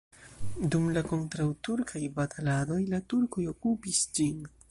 Dum la kontraŭturkaj bataladoj la turkoj okupis ĝin.